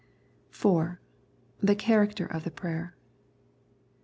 4. The Character of the Prayer.